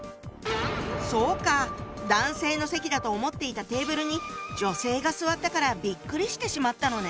そうか男性の席だと思っていたテーブルに女性が座ったからビックリしてしまったのね。